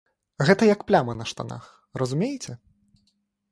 Гэта як пляма на штанах, разумееце?